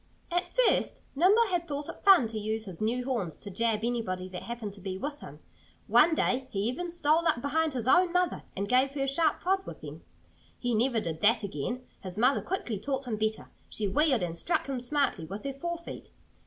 At first Nimble had thought it fun to use his new horns to jab anybody that happened to be with him. One day he even stole up behind his own mother and gave her a sharp prod with them. He never did that again. His mother quickly taught him better. She wheeled and struck him smartly with her fore feet.